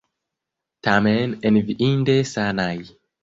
Tamen enviinde sanaj.